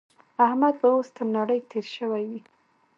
احمد به اوس تر نړۍ تېری شوی وي.